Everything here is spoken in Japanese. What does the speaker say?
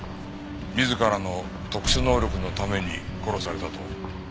自らの特殊能力のために殺されたと？